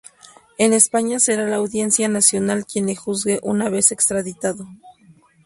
En España será la Audiencia Nacional quien le juzgue una vez extraditado.